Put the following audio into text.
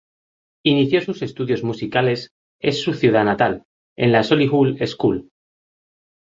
Inició sus estudios musicales es su ciudad natal, en la Solihull School.